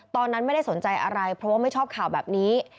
ตอนนั้นไม่ได้สนใจอะไรเพราะว่าไม่ชอบข่าวแบบนี้